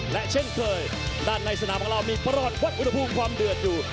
และเช่นเคยด้านในสนามของเรามีประวัติวัดอุณหภูมิความเดือดอยู่